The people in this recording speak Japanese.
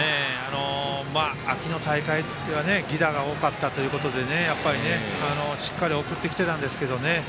秋の大会では犠打が多かったということでしっかり送ってきてたんですけど。